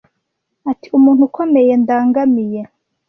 Ati Umuntu ukomeye ndangamiye,